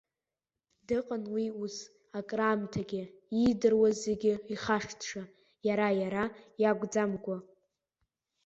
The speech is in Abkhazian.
Дыҟан уи ус акраамҭагьы, иидыруаз зегьы ихашҭша, иара иара иакәӡамкәа.